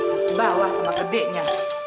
kasih bawah sama gedenya